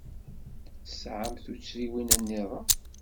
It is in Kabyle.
Tesɛamt tuttriwin-nniḍen?